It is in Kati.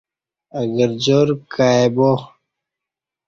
اہ گرجار کائ با